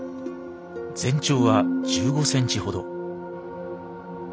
全長は１５センチほど。